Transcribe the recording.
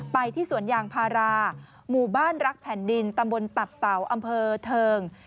ไปที่สวนอย่างภาราหมู่บ้านรักแผ่นดินตำบลปับเป๋าอเทิง